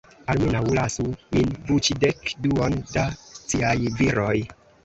Almenaŭ, lasu min buĉi dek-duon da ciaj viroj!